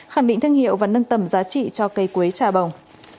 khẳng định thương hiệu và nâng tầm giá trị cho cây quế trà bồng